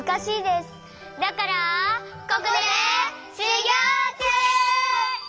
ここでしゅぎょうちゅう！